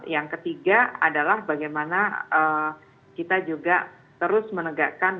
yang ketiga adalah bagaimana kita juga terus menegakkan